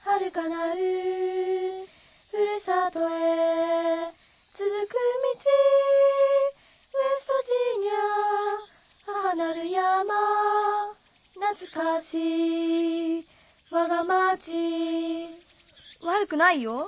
なつかしいわが町悪くないよ。